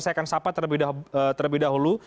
saya akan sapa terlebih dahulu